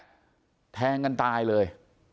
ฝ่ายกรเหตุ๗๖ฝ่ายมรณภาพกันแล้ว